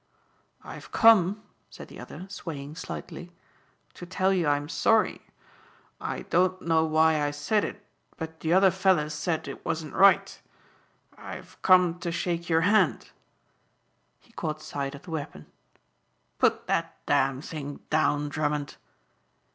"I've come," said the other swaying slightly, "to tell you I'm sorry. I don't know why I said it but the other fellers said it wasn't right. I've come to shake your hand." He caught sight of the weapon. "Put that damn thing down, Drummond."